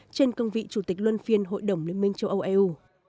trên cương vị chủ tịch luân phiên hội đồng liên minh châu âu eu